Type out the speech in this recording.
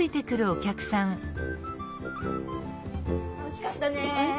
おいしかったね。